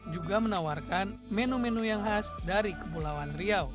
juga menawarkan menu menu yang khas dari kepulauan riau